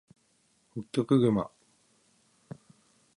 ホッキョクグマ